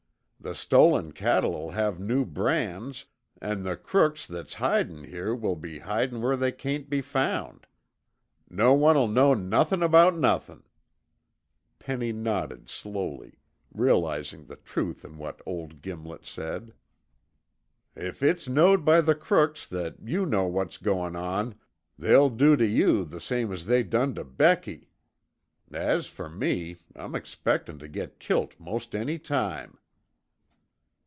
The stolen cattle'll have new brands an' the crooks that's hidin' here will be hidin' where they cain't be found. No one'll know nothin' about nothin'." Penny nodded slowly, realizing the truth in what old Gimlet said. "If it's knowed by the crooks that you know what's goin' on, they'll do tuh you the same as they done tuh Becky. As fer me, I'm expectin' tuh git kilt most any time."